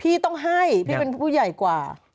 พี่ต้องให้พี่เป็นผู้ใหญ่กว่า